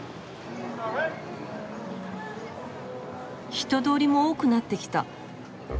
人通りも多くなってきた。